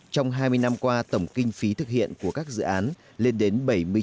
trong hai mươi năm qua tổng kinh phí thực hiện của các dự án lên đến bảy mươi chín